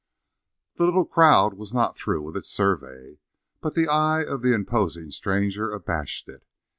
The little crowd was not through with its survey, but the eye of the imposing stranger abashed it.